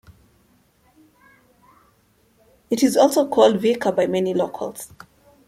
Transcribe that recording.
It is also called "Vika" by many locals.